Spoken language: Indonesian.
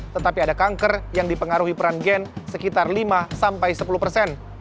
tetapi ada kanker yang dipengaruhi peran gen sekitar lima sampai sepuluh persen